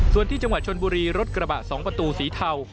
ส่วนที่จังหวัดชนบุรีรถกระบะ๒ประตูสีเทา